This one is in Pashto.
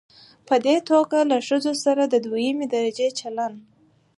په دې توګه له ښځو سره د دويمې درجې چلن